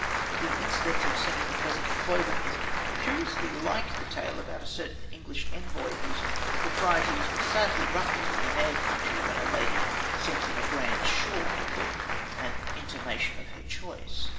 The incident of sending a present of clothing is curiously like the tale about a certain English envoy, whose proprieties were sadly ruffled in the Nair country, when a lady sent him a grand shawl with an intimation of her choice.